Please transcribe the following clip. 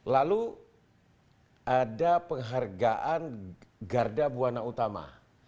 lalu ada penghargaan garda buana utama